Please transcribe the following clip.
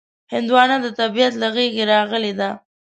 هندوانه د طبیعت له غېږې راغلې ده.